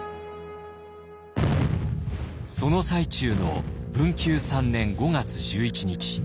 その最中の文久３年５月１１日。